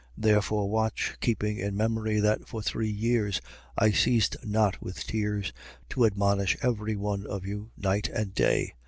20:31. Therefore watch, keeping in memory that for three years I ceased not with tears to admonish every one of you, night and day.